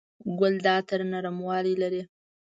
ګل د عطر نرموالی لري.